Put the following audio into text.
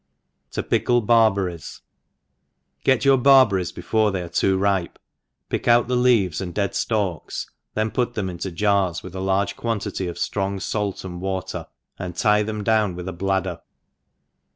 iTi? ^/^/f Barb EUR rR8* GET your barberries before they are tod rip^ pick out the leaves, and dead ila^jcsj then put them into jars, with a large quantity^of iktoig fait and water, and tie them down with al)/ad der.